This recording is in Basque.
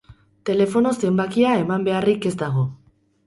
Telefono zenbakia eman beharrik ez dago.